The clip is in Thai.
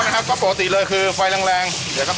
แล้วก็ทำทอนะครับคล่อติดเลยคือฟังแรงเดี๋ยวถ้า